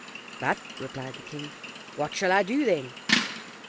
"But," replied the king, "what shall I do, then?"